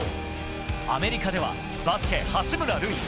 アメリカではバスケ八村塁。